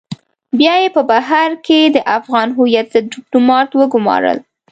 بيا يې په بهر کې د افغان هويت ضد ډيپلومات وگمارل.